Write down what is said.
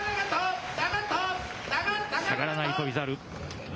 下がらない翔猿。